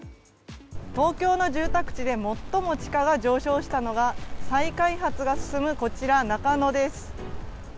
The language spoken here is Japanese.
東京の住宅地で最も地価が上昇したのは再開発が進むこちら、中野です。